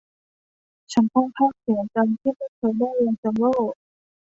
ฉันค่อนข้างเสียใจที่ไม่เคยได้เรียนเซลโล่